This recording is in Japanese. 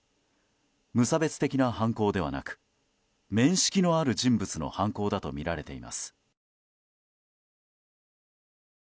無差別的な犯行ではなく面識のある人物の犯行だとみられています。